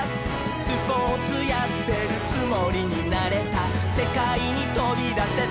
「スポーツやってるつもりになれた」「せかいにとびだせさあおどれ」